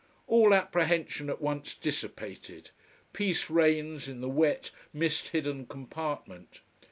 All apprehension at once dissipated, peace reigns in the wet, mist hidden compartment.